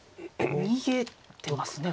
逃げてますねこれ。